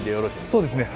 そうですね。